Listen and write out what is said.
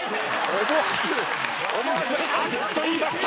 思わず「あっ」と言いました。